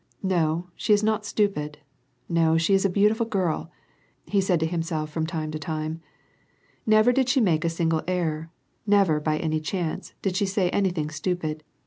No, she is not stupid. No, she is a beautiful girl," he said to himself from time to time. Never did she make a single error ; never, by any chance, did she say anything stupid.